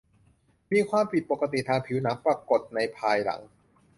จะมีความผิดปกติทางผิวหนังปรากฏในภายหลัง